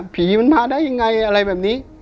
ผีมันมาได้ยังไงอะไรแบบนี้